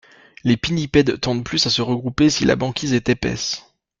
Les pinnipèdes tendent plus à se regrouper si la banquise est épaisse.